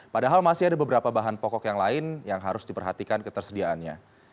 padahal masih ada beberapa bahan pokok yang lain yang harus diperhatikan ketersediaannya